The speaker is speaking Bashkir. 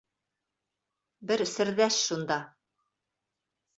Бер серҙәш шунда.